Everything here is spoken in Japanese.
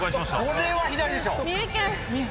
これは左でしょ！